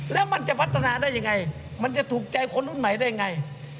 แล้วมันจะพัฒนาได้ยังไงมันจะถูกใจคนรุ่นใหม่ได้ไง